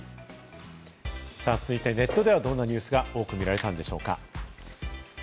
続いてネットではどんなニュースが多く見られたんでしょうか。